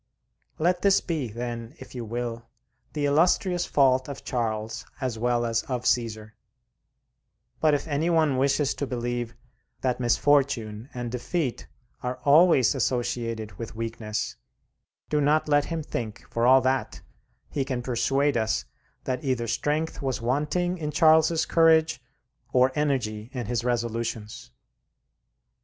Let this be, then, if you will, the illustrious fault of Charles as well as of Caesar; but if any one wishes to believe that misfortune and defeat are always associated with weakness, do not let him think, for all that, he can persuade us that either strength was wanting in Charles's courage or energy in his resolutions.